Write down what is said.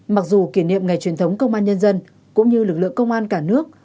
mặc dù kỷ niệm ngày truyền thống công an nhân dân cũng như lực lượng công an cả nước